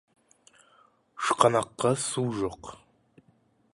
Шұқанаққа су жоқ.